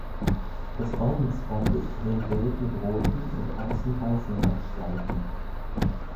Das Ordensband ist hellgelb mit roten und außen weißen Randstreifen.